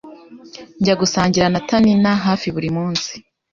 Njya gusangira na Taninna hafi buri munsi.